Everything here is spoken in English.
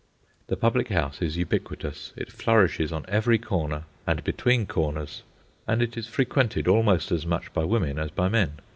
The public house is ubiquitous. It flourishes on every corner and between corners, and it is frequented almost as much by women as by men.